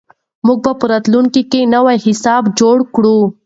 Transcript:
موږ به په راتلونکي کې نوي حسابونه جوړ کړو.